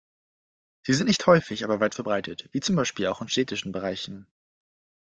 Sie sind nicht häufig, aber weit verbreitet, wie zum Beispiel auch in städtischen Bereichen.